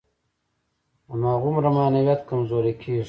هماغومره معنویت کمزوری کېږي.